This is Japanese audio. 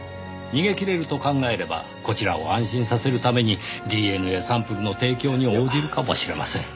逃げ切れると考えればこちらを安心させるためにＤＮＡサンプルの提供に応じるかもしれません。